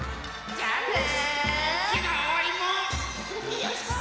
よいしょっ！